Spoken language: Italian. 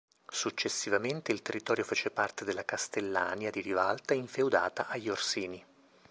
Successivamente il territorio fece parte della castellania di Rivalta infeudata agli Orsini.